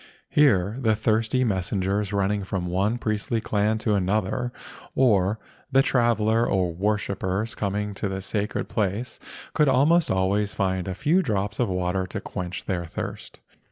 Here the thirsty messengers running from one priestly clan to another, or the traveller or worshippers coming to the sacred place, could almost always find a few drops of water to quench their thirst.